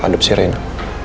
hadap si reyna